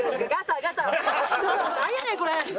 なんやねんこれ！